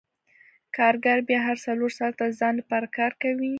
کارګر بیا هم څلور ساعته د ځان لپاره کار کوي